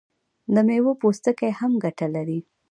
د میوو پوستکي هم ګټه لري.